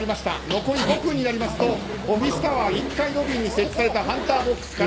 残り５分になりますとオフィスタワー１階ロビーに設置されたハンターボックスから